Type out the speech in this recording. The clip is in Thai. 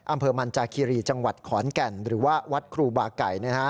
อำเภอมันจากคีรีจังหวัดขอนแก่นหรือว่าวัดครูบาไก่